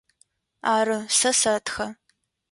Ары, сэ сэтхэ.